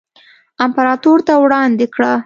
امپراتور ته وړاندې کړه.